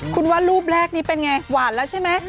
คุณว่ารูปแรกนี้เป็นไงหวานแล้วใช่ไหม